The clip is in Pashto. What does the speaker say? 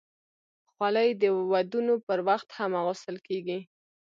خولۍ د ودونو پر وخت هم اغوستل کېږي.